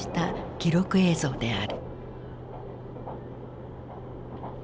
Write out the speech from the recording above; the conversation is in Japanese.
記録映像である。